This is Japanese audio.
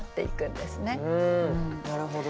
なるほど。